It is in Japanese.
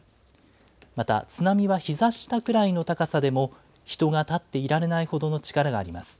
また津波はひざ下ぐらいの高さでも、人が立っていられないほどの力があります。